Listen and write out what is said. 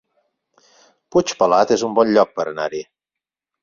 Puigpelat es un bon lloc per anar-hi